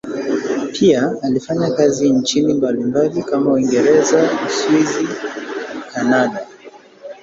Pia alifanya kazi nchini mbalimbali kama Uingereza, Uswisi na Kanada.